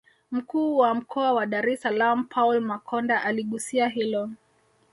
Mkuu wa Mkoa wa Dar es salaam Paul Makonda aligusia hilo